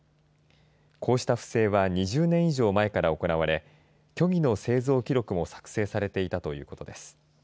こうした不正は２０年以上前から行われ虚偽の製造記録も作成されていたということです。